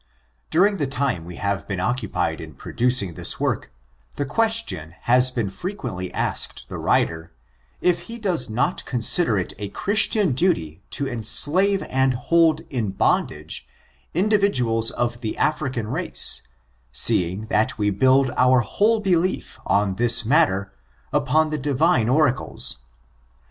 During the time we have been occupied in pro ducing this work, the question has been frequently asked the writer, if he does not consider it a Christian duty to enslave and liold in bondage, individuals of the African race, seeing that wo build our whole be hef in this matter upon the Divine Oracles